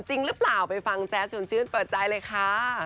จริงหรือเปล่าไปฟังแจ๊ดชวนชื่นเปิดใจเลยค่ะ